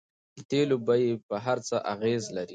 د تیلو بیې په هر څه اغیز لري.